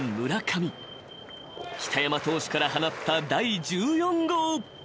［北山投手から放った第１４号］